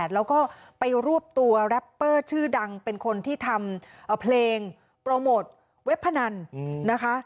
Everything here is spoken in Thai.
แล้วก็ไปรวบตัวแรปเปอร์ชื่อดังเป็นคนที่ทำเพลงโปรโมทเว็บพนันนะคะ